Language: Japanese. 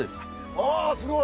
あすごい！